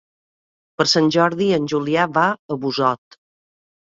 Per Sant Jordi en Julià va a Busot.